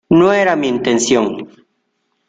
No era mi intención.